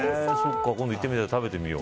今度行ってみたら食べてみよう。